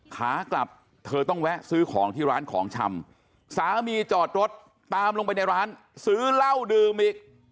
ขากลับเธอต้องแวะซื้อของที่ร้านของชำสามีจอดรถตามลงไปในร้านซื้อเหล้าดื่มอีก